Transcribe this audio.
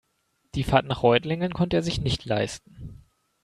Die Fahrt nach Reutlingen konnte er sich nicht leisten